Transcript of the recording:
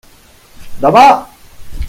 Demà!